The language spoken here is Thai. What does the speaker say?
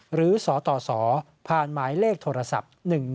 หรือสตสผ่านหมายเลขโทรศัพท์๑๑